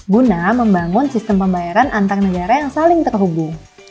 guna membangun sistem pembayaran antar negara yang saling terhubung